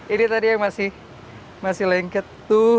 ini tadi yang masih lengket tuh